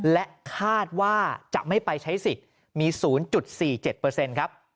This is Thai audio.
และคาดว่าจะไม่ไปใช้สิทธิ์มี๐๔๗ครับ